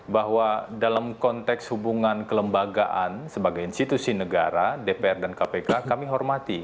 bahwa dalam konteks hubungan kelembagaan sebagai institusi negara dpr dan kpk kami hormati